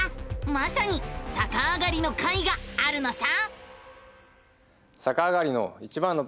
まさにさかあがりの回があるのさ！